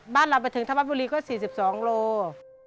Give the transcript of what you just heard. บ้านเราไปถึงธวัฒน์บุรีก็๔๒โลกรัม